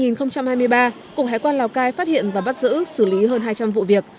năm hai nghìn hai mươi ba cục hải quan lào cai phát hiện và bắt giữ xử lý hơn hai trăm linh vụ việc